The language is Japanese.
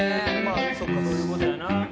そうかそういう事やな。